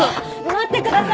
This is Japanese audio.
待ってください。